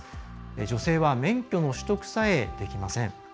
女性は免許の取得さえできません。